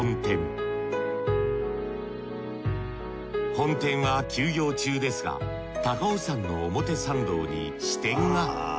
本店は休業中ですが高尾山の表参道に支店が。